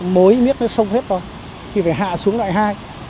mối miếc nó sông hết rồi thì phải hạ xuống loại hai